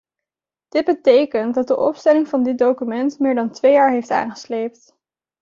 Dit betekent dat de opstelling van dit document meer dan twee jaar heeft aangesleept.